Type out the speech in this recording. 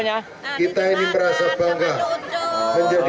menjadi warga kebutuhan ngawi